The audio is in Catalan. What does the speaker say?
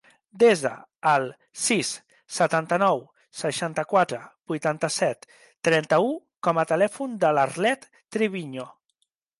Desa el sis, setanta-nou, seixanta-quatre, vuitanta-set, trenta-u com a telèfon de l'Arlet Triviño.